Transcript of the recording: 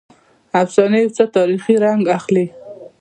افسانې یو څه تاریخي رنګ اخلي.